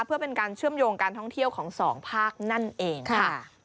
เพื่อเป็นการเชื่อมโยงการท่องเที่ยวของสองภาคนั่นเองค่ะ